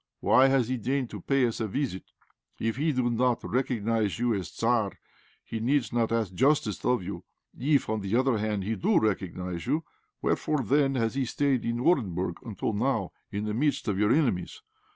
Why has he deigned to pay us a visit? If he do not recognize you as Tzar, he needs not to ask justice of you; if, on the other hand, he do recognize you, wherefore, then, has he stayed in Orenburg until now, in the midst of your enemies.